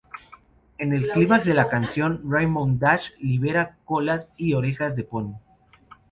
En el clímax de la canción, Rainbow Dash libera colas y orejas de poni.